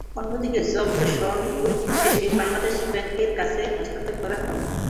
অন্যদিকে জব্দ স্বর্ণ পরীক্ষা শেষে বাংলাদেশ ব্যাংকের কাছে হস্তান্তর করা হবে।